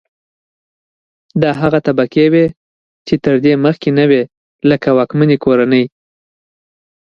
دا هغه طبقې وې چې تر دې مخکې نه وې لکه واکمنې کورنۍ.